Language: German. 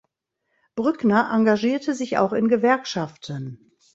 Brückner engagierte sich auch in Gewerkschaften.